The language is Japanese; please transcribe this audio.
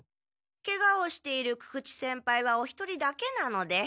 ケガをしている久々知先輩はお一人だけなので。